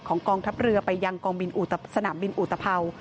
กองทัพเรือไปยังกองบินสนามบินอุตภัวร์